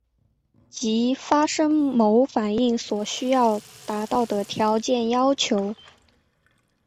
即发生某反应所需要达到的条件要求。